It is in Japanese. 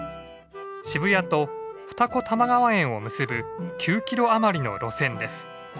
渋谷と二子玉川園を結ぶ９キロあまりの路線です。